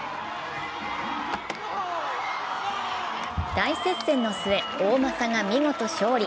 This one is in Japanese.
大接戦の末、大政が見事勝利。